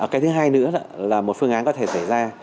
cái thứ hai nữa là một phương án có thể xảy ra